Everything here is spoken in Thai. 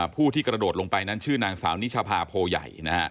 ผู้ที่กระโดดลงไปนั้นชื่อนางสาวนิชภาโพใหญ่